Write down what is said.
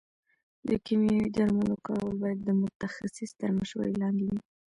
د کيمياوي درملو کارول باید د متخصص تر مشورې لاندې وي.